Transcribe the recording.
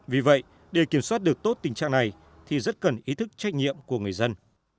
vì vậy để kiểm soát được tốt tình trạng này thì rất cần ý thức trách nhiệm của người dân